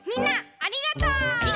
ありがとう！